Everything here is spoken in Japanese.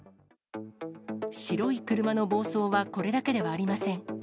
白い車の暴走はこれだけではありません。